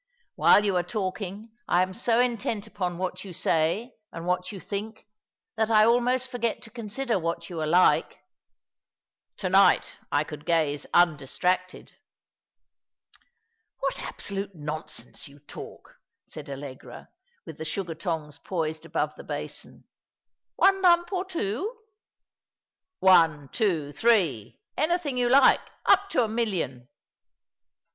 AVhile you are talking I am so intent upon what you say, and what you think, that I almost forget to consider what you are like. To night I could gaze undistracted." '' What absolute nonsense you talk," said Allegra, with the sugar tongs poised above the basin. ''One lump— or two?" " One, two, three — anything you like — up to a million."